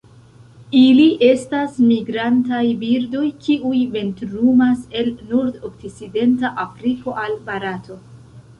Ili estas migrantaj birdoj, kiuj vintrumas el nordokcidenta Afriko al Barato.